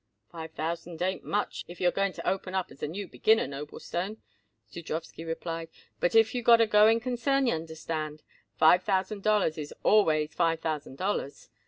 "Five thousand ain't much if you are going to open up as a new beginner, Noblestone," Zudrowsky replied, "but if you got a going concern, y'understand, five thousand dollars is always five thousand dollars.